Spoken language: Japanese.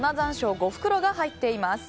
５袋が入っています。